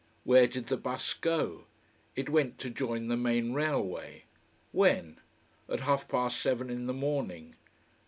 Where did the bus go? It went to join the main railway. When? At half past seven in the morning.